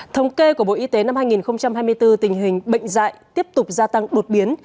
thống kê của bộ y tế năm hai nghìn hai mươi bốn tình hình bệnh dạy tiếp tục gia tăng đột biến